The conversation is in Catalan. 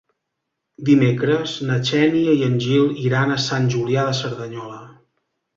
Dimecres na Xènia i en Gil iran a Sant Julià de Cerdanyola.